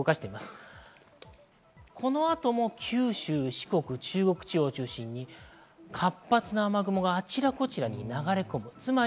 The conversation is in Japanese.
この後も九州、四国、中国地方を中心に、活発な雨雲があちらこちらに流れ込みます。